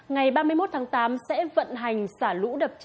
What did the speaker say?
ngày ba mươi một tháng tám sẽ vận hành xả lũ đập tràn